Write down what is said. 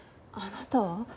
あなたは？